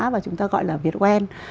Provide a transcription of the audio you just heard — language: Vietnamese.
và chúng ta gọi là việt oen